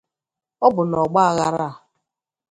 Ọ bụ n’ọgbaghara a